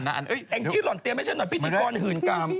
เห้ยอังคิดหล่อนเตียปไว้ชั้นน่ะพี่พิจิกรหื่นกราม